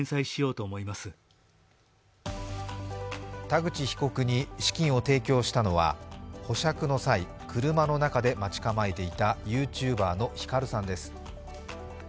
田口被告に資金を提供したのは、保釈の際、車の中で待ち構えていたＹｏｕＴｕｂｅｒのヒカルさんです。